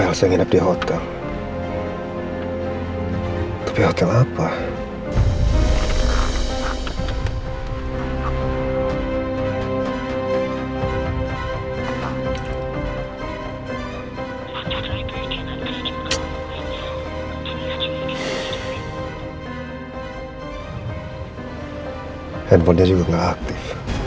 handphone dia juga gak aktif